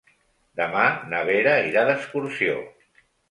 Demà na Vera irà d'excursió.